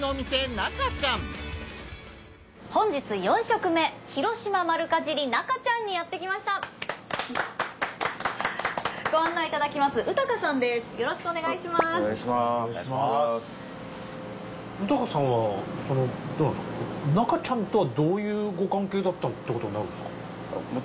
中ちゃんとはどういうご関係だったっていうコトになるんですか？